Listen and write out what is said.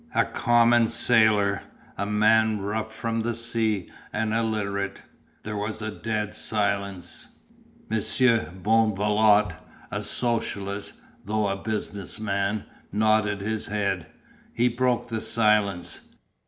A common sailor. A man rough from the sea and illiterate." There was a dead silence. Monsieur Bonvalot, a socialist, though a business man, nodded his head. He broke the silence.